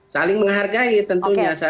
saling menghargai tentunya